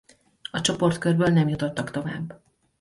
A csoportkörből nem jutottak tovább.